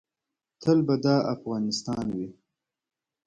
تل به دا افغانستان وي